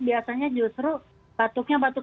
biasanya justru batuknya batuk